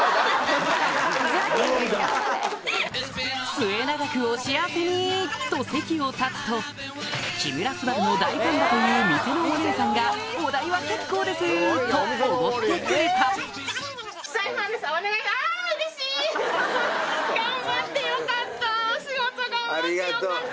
「末永くお幸せに！」と席を立つと木村昴の大ファンだという店のお姉さんが「お代は結構です」とおごってくれた仕事頑張ってよかった。